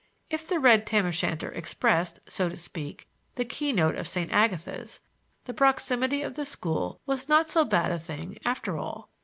If the red tam o' shanter expressed, so to speak, the key note of St. Agatha's, the proximity of the school was not so bad a thing after all.